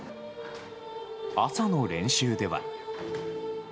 朝の練習では。